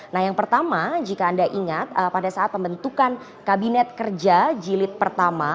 nah yang pertama jika anda ingat pada saat pembentukan kabinet kerja jilid pertama